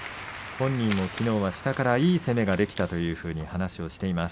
本人もきのうは下からいい攻めができたという話をしています。